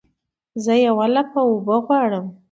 زه یوه لپه اوبه غواړمه